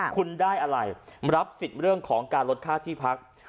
คุณได้อะไรรับสิทธิ์เรื่องของการลดค่าที่พัก